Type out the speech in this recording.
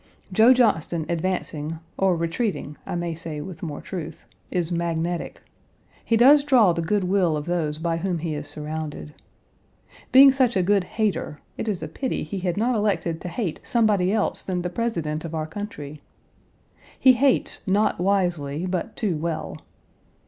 Joe Johnston advancing, or retreating, I may say with more truth, is magnetic. He does draw the good will of those by whom he is surrounded. Being such a good hater, it is a pity he had not elected to hate somebody else than the President of our country. He hates not wisely but too well.